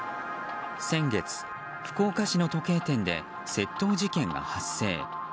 先月、福岡市の時計店で窃盗事件が発生。